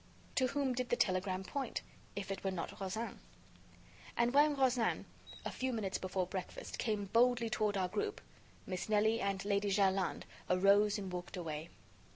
To whom did the telegram point, if it were not Rozaine? And when Rozaine, a few minutes before breakfast, came boldly toward our group, Miss Nelly and Lady Jerland arose and walked away.